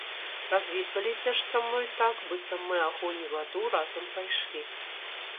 Развітваліся ж са мной так, быццам мы агонь і ваду разам прайшлі.